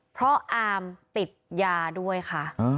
เพราะอามติดยาด้วยค่ะ